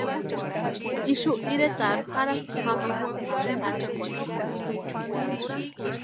Ixu iretarhu jarhasti mamajasï ampe ánchikwarhita.